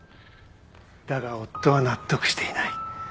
だが夫は納得していない。